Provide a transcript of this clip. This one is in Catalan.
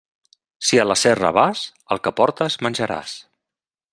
Si a la serra vas, el que portes, menjaràs.